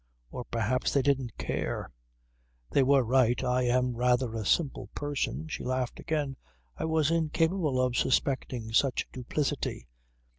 "Or perhaps they didn't care. They were right. I am rather a simple person ..." She laughed again ... "I was incapable of suspecting such duplicity."